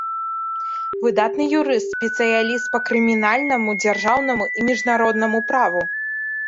Выдатны юрыст, спецыяліст па крымінальнаму, дзяржаўнаму і міжнароднаму праву.